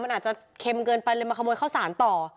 มันอาจจะเค็มเกินไปเลยมาขโมยข้าวสารต่อ